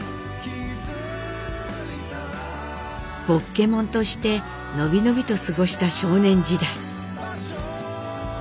「ぼっけもん」として伸び伸びと過ごした少年時代。